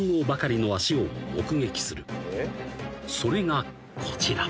［それがこちら］